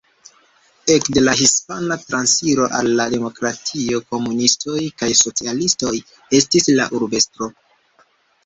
Ekde la Hispana Transiro al la Demokratio komunistoj kaj socialistoj estis la urbestroj.